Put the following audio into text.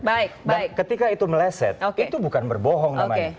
dan ketika itu meleset itu bukan berbohong namanya